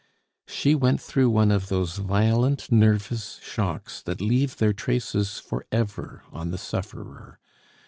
She went through one of those violent nervous shocks that leave their traces for ever on the sufferer.